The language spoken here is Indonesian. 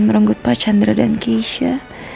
merenggut pak chandra dan keisha